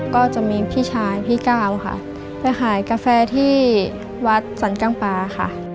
ก็จะมีพี่ชายพี่ก้าวค่ะไปขายกาแฟที่วัดสรรกังปลาค่ะ